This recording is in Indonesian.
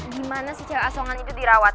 gimana si cewek asongan itu dirawat